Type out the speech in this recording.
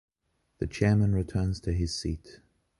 The Chairman returns to his seat.